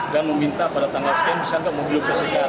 dan meminta pada tanggal sekian bisa nggak mobil bersihkan